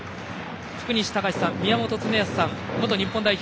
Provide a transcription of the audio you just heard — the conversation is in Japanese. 福西崇史さん宮本恒靖さん元日本代表